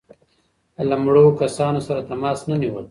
له مړو کسانو سره تماس نه نیول.